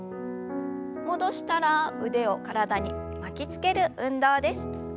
戻したら腕を体に巻きつける運動です。